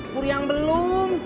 kur yang belum